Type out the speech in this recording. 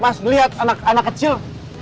mas lihat anak anak kecil